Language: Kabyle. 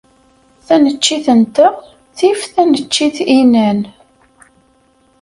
Taneččit-nteɣ tif taneččit-inan.